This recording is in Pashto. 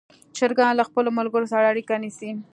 چرګان له خپلو ملګرو سره اړیکه نیسي.